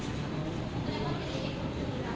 เจนนี่รับรู้